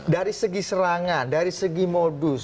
dari segi serangan dari segi modus